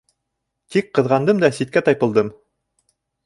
Тик ҡыҙғандым да ситкә тайпылдым.